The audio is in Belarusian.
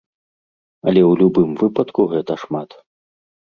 Але ў любым выпадку гэта шмат.